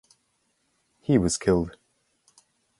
He was killed.